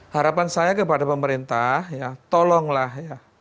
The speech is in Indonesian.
harapan saya kepada pemerintah tolonglah